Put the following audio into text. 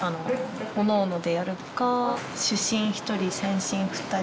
おのおのでやるか主審１人線審２人。